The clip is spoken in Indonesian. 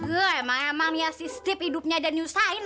eh emang emang ya si steve hidupnya udah nyusahin